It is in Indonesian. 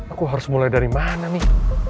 aku harus mulai dari mana nih